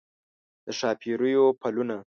د ښاپیریو پلونه